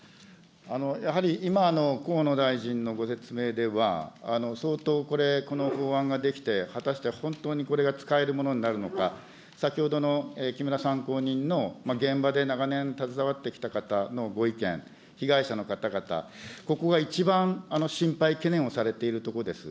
やはり今の河野大臣のご説明では、相当これ、この法案が出来て、果たして本当にこれが使えるものになるのか、先ほどの木村参考人の現場で長年、携わってきた方のご意見、被害者の方々、ここが一番、心配、懸念をされているところです。